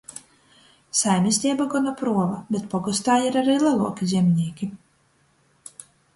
Saimisteiba gona pruova, bet pogostā ir ari leluoki zemnīki.